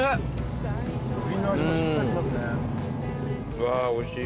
うわあおいしい。